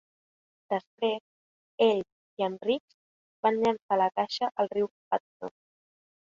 Després, ell i en Riggs van llançar la caixa al riu Hudson.